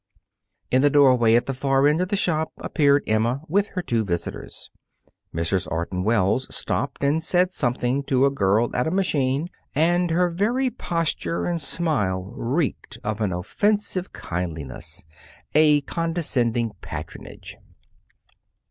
In the doorway at the far end of the shop appeared Emma with her two visitors. Mrs. Orton Wells stopped and said something to a girl at a machine, and her very posture and smile reeked of an offensive kindliness, a condescending patronage.